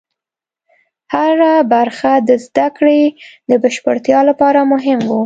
هره برخه د زده کړې د بشپړتیا لپاره مهمه وه.